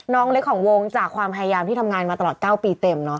น้องเล็กของวงจากความพยายามที่ทำงานมาตลอด๙ปีเต็ม